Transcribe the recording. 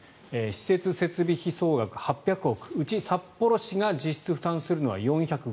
施設設備費総額８００億うち、札幌市が実質負担するのは４５０億。